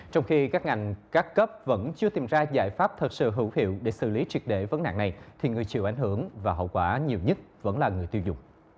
trong khi các ngành các cấp vẫn chưa tìm ra giải pháp thật sự hữu hiệu để xử lý triệt để vấn nạn này thì người chịu ảnh hưởng và hậu quả nhiều nhất vẫn là người tiêu dùng